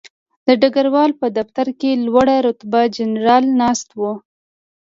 د ډګروال په دفتر کې لوړ رتبه جنرالان ناست وو